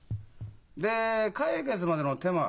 で解決までの手間